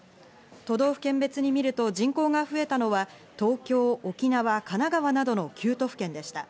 都道府県別にみると人口が増えたのは東京、沖縄、神奈川などの９都府県でした。